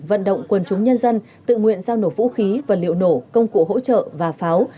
vận động quân chúng nhân dân tự nguyện giao nộp vũ khí vật liệu nổ công cụ hỗ trợ và pháo